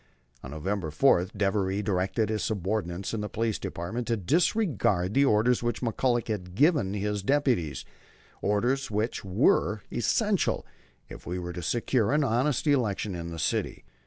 On November 4 Devery directed his subordinates in the Police Department to disregard the orders which McCullagh had given to his deputies, orders which were essential if we were to secure an honest election in the city.